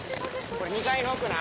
これ２階の奥な。